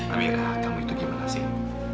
amirah kamu itu gimana sih